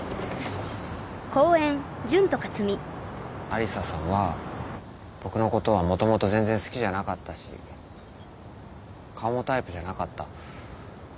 アリサさんは僕のことはもともと全然好きじゃなかったし顔もタイプじゃなかった。